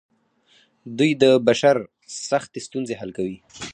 دوی د بشر سختې ستونزې حل کوي.